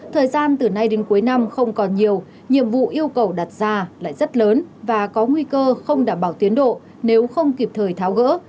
thời gian từ nay đến cuối năm không còn nhiều nhiệm vụ yêu cầu đặt ra lại rất lớn và có nguy cơ không đảm bảo tiến độ nếu không kịp thời tháo gỡ